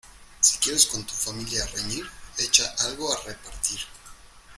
Si quieres con tu familia reñir, echa algo a repartir.